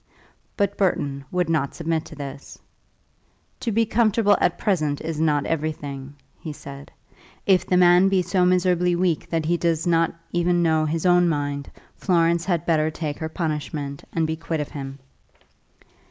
But Burton would not submit to this. "To be comfortable at present is not everything," he said. "If the man be so miserably weak that he does not even now know his own mind, Florence had better take her punishment, and be quit of him."